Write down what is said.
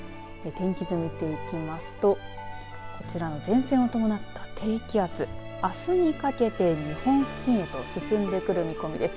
天気図、見ていきますとこちらの前線を伴った低気圧あすにかけて日本付近へと進んでくる見込みです。